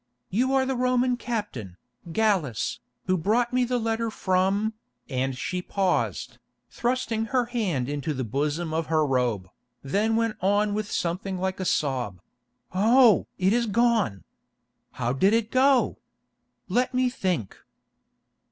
You are the Roman captain, Gallus, who brought me the letter from——" and she paused, thrusting her hand into the bosom of her robe, then went on with something like a sob: "Oh! it is gone. How did it go? Let me think."